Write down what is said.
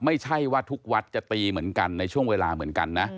ไม่ใช่ว่าทุกวัดจะตีเหมือนกันในช่วงเวลาเหมือนกันนะ